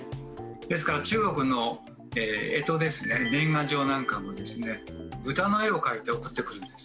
ですから中国の干支ですね年賀状なんかもですね豚の絵を描いて送ってくるんです。